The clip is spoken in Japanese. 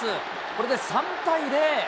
これで３対０。